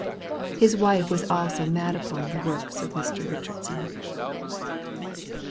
His wife was also mad upon The works of Mr. Eichardson.